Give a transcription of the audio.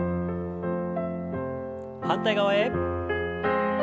反対側へ。